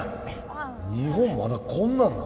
日本まだこんなんなん？